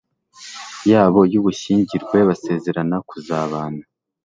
yabo y'ubushyingirwe basezerana kuzabana